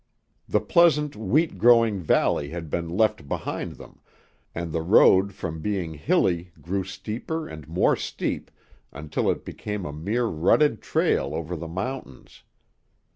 The pleasant, wheat growing valley had been left behind them, and the road from being hilly grew steeper and more steep until it became a mere rutted trail over the mountains.